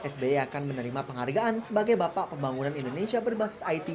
sby akan menerima penghargaan sebagai bapak pembangunan indonesia berbasis it